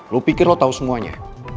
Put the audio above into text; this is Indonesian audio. lo pikir lo tahu semuanya